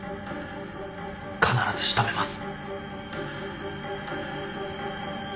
必ず仕留めます。